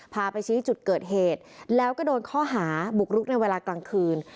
พาไปชี้จุดเกิดเหตุแล้วก็โดนข้อหาบุกรุกในเวลากลางคืน